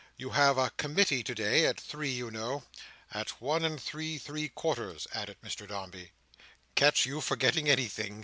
"You have a committee today at three, you know." "And one at three, three quarters," added Mr Dombey. "Catch you forgetting anything!"